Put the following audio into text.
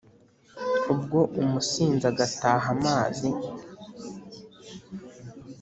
ubwo umusinzi agata amazi